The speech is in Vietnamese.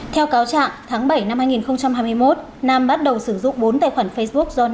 theo cáo trạng tháng bảy năm hai nghìn hai mươi một nam bắt đầu sử dụng bốn tài khoản facebook do nam